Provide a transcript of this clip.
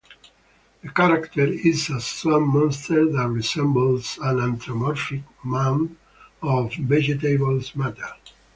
The character is a swamp monster that resembles an anthropomorphic mound of vegetable matter.